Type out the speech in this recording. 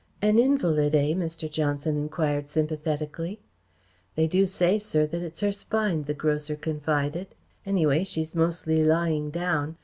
"An invalid, eh?" Mr. Johnson enquired sympathetically. "They do say, sir, that it's her spine," the grocer confided. "Anyway, she's mostly lying down.